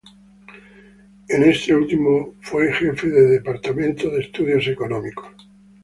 En este último fue jefe de Departamento de Estudios Económicos.